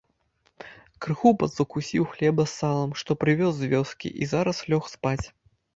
Троху падзакусіў хлеба з салам, што прывёз з вёскі, і зараз лёг спаць.